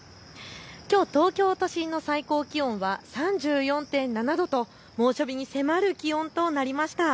きょう東京都心の最高気温は３４．７度と猛暑日に迫る気温となりました。